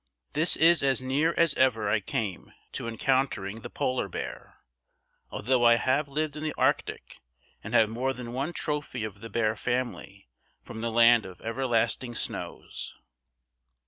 This is as near as ever I came to encountering the Polar bear, although I have lived in the Arctic and have more than one trophy of the bear family from the land of everlasting snows.